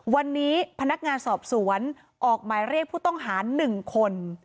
วันนี้พนักงานสอบสวนออกหมายเรียกผู้ต้องหา๑คน